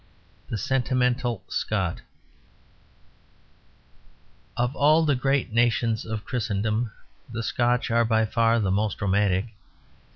THE SENTIMENTAL SCOT Of all the great nations of Christendom, the Scotch are by far the most romantic.